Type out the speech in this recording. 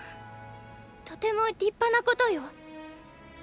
とても立派なことよ。